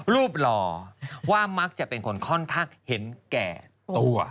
หล่อว่ามักจะเป็นคนค่อนข้างเห็นแก่ตัว